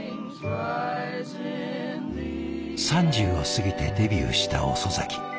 ３０を過ぎてデビューした遅咲き。